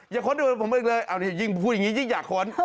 อย่าค้นด้วยผมอีกเลยพูดอย่างนี้ยิ่งอยากค้น